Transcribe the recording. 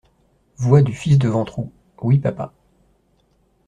Voix du fils de Ventroux .— Oui, papa.